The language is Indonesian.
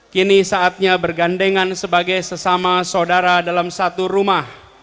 kini saatnya bergandengan sebagai sesama saudara dalam satu rumah